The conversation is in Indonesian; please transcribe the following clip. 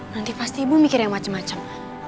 nanti pasti ibu mikir yang macem macem